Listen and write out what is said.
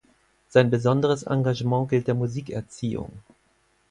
Sein besonderes Engagement gilt der Musikerziehung.